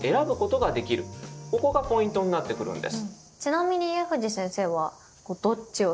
ここがポイントになってくるんです。